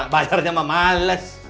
bayarnya mah males